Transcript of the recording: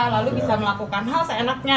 lalu bisa melakukan hal seenaknya